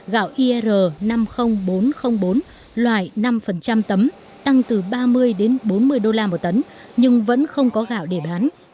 gạo ir năm mươi nghìn bốn trăm linh bốn loại năm tấm tăng từ ba mươi đến bốn mươi đô la một tấn nhưng vẫn không có gạo để bán